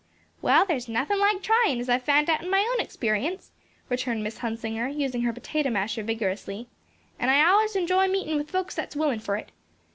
"Well, there's nothin' like tryin'; as I've found out in my own experience," returned Miss Hunsinger, using her potato masher vigorously, "and I allers enjoy meetin' with folks that's willin' fur it.